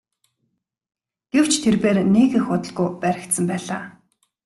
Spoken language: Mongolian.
Гэвч тэрбээр нэг их удалгүй баригдсан байлаа.